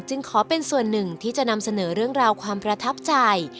ขอเป็นส่วนหนึ่งที่จะนำเสนอเรื่องราวความประทับใจ